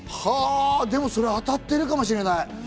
でもそれ当たってるかもしれない。